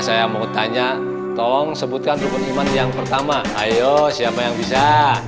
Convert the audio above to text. saya mau tanya tolong sebutkan rukun iman yang pertama ayo siapa yang bisa